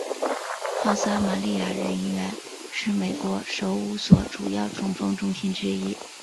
好撒玛利亚人医院是美国首五所主要中风中心之一。